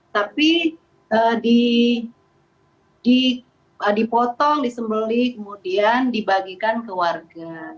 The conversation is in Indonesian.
tapi dipotong disembeli kemudian dibagikan ke warga